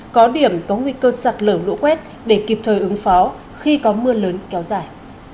có điểm có nguy cơ sạt lở lũ quét để kịp thời ứng phó khi có mưa lớn kéo dài